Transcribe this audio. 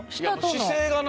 姿勢がな。